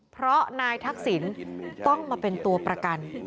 เพราะนายทักษิณต้องมาเป็นตัวประกัน